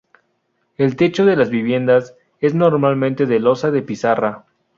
El techo de las viviendas es normalmente de losa de pizarra.